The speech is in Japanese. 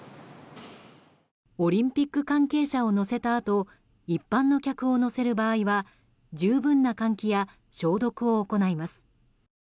オリンピック関係者を乗せたあと一般の客を乗せる場合は十分な換気や消毒を行います。